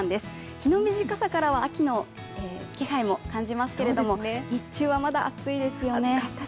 日の短さからは秋の気配を感じますけれども、日中はまだ暑いですよね。